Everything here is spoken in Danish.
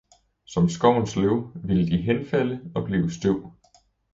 som skovens løv ville de henfalde og blive støv.